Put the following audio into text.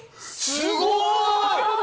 すごい！